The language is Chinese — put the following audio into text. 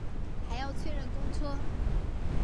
还要确认公车